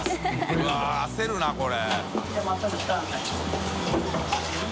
うわっ焦るなこれ。